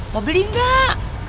mau beli gak